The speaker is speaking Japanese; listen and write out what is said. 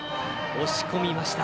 押し込みました。